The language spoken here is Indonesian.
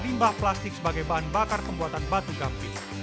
limbah plastik sebagai bahan bakar pembuatan batu gampis